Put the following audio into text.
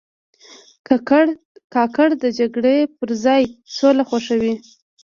کاکړ د جګړې پر ځای سوله خوښوي.